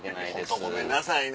「ホントごめんなさいね。